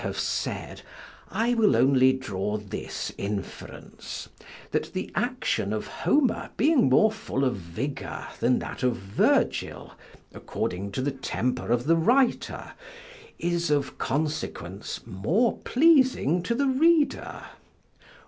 From all I have said I will only draw this inference, that the action of Homer being more full of vigor than that of Virgil, according to the temper of the writer, is of consequence more pleasing to the reader.